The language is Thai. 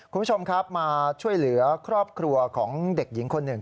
คุณผู้ชมครับมาช่วยเหลือครอบครัวของเด็กหญิงคนหนึ่ง